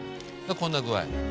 こんな具合。